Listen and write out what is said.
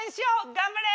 頑張れ！